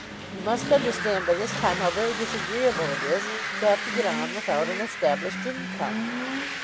You must understand by this time how very disagreeable it is to have to get on without an established income."